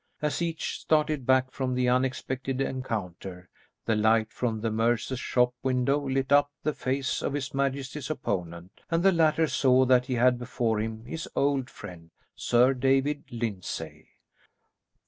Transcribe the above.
As each started back from the unexpected encounter, the light from the mercer's shop window lit up the face of his majesty's opponent, and the latter saw that he had before him his old friend, Sir David Lyndsay.